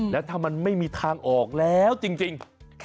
แล้วถ้ามันไม่มีทางออกแล้วจริง